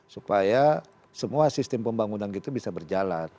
supaya semua sistem pembangunan itu bisa berjalan